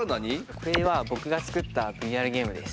これは僕が作ったＶＲゲームです。